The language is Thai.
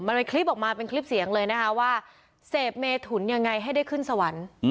มันเป็นคลิปออกมาเป็นคลิปเสียงเลยนะคะว่าเสพเมถุนยังไงให้ได้ขึ้นสวรรค์